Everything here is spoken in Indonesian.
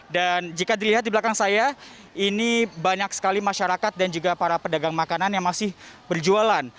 dan jika dilihat di belakang saya ini banyak sekali masyarakat dan juga para pedagang makanan yang masih berjualan